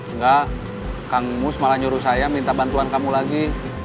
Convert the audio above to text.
enggak kang mus malah nyuruh saya minta bantuan kamu lagi